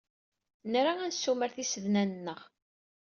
Nra ad nessumar tisednan-nneɣ.